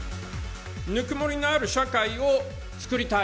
ぬくもりのある社会を作りたい。